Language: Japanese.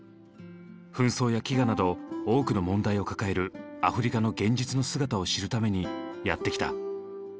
紛争や飢餓など多くの問題を抱えるアフリカの現実の姿を知るためにやって来た。